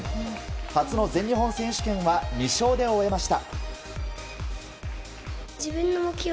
初の全日本選手権は２勝で終えました。